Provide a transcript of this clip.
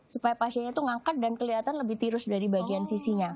supaya pasiennya itu ngangkat dan kelihatan lebih tirus dari bagian sisinya